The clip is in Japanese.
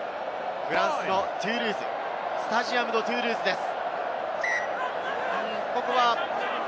フランスのトゥールーズ、スタジアム・ド・トゥールーズです。